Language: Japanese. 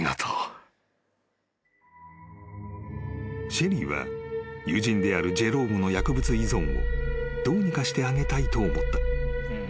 ［シェリーは友人であるジェロームの薬物依存をどうにかしてあげたいと思った］